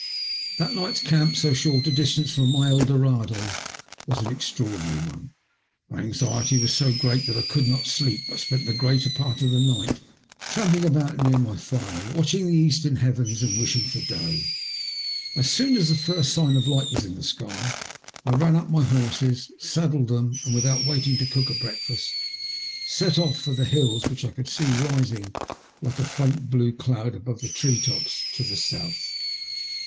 That night's camp, so short a distance from my Eldorado, was an extraordinary one. My anxiety was 80 great that I could not sleep, but spent the greater part of the night tramping about near my fire, watch ing the eastern heavens and wishing for day. As soon as the first sign of light was in the sky I ran up my horses, saddled them, and without waiting to cook a breakfast, set off for the hills which I could see rising like a faint blue cloud above the tree tops to the MY CHANCE IN LIFE. 35 Boath.